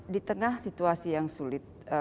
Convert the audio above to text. di tengah situasi yang sulit